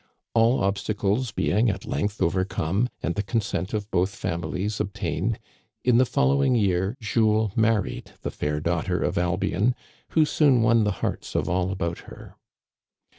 All obstacles being at length overcome, and the con sent of both families obtained, in the following year Digitized by VjOOQIC CONCLUSION. 28 1 Jules married the fair daughter of Albion, who soon won the hearts of all about her.